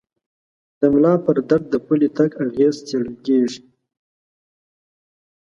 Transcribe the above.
د ملا پر درد د پلي تګ اغېز څېړل کېږي.